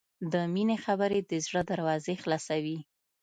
د مینې خبرې د زړه دروازې خلاصوي.